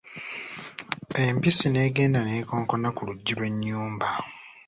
Empisi n'egenda n'ekoonkona ku luggi lw'ennyumba.